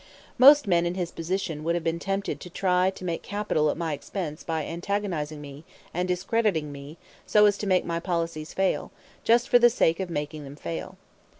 Most men in his position would have been tempted to try to make capital at my expense by antagonizing me and discrediting me so as to make my policies fail, just for the sake of making them fail.